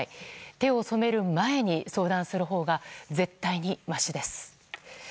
手を染める前に相談するほうが絶対にましです。